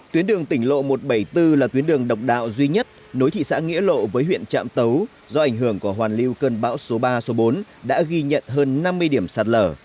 tuyến đường tỉnh lộ một trăm bảy mươi bốn là tuyến đường độc đạo duy nhất nối thị xã nghĩa lộ với huyện trạm tấu do ảnh hưởng của hoàn lưu cơn bão số ba số bốn đã ghi nhận hơn năm mươi điểm sạt lở